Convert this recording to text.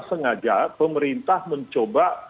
sengaja pemerintah mencoba